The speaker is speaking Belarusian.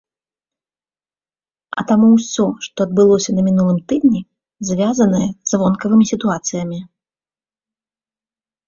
А таму ўсё, што адбылося на мінулым тыдні, звязанае з вонкавымі сітуацыямі.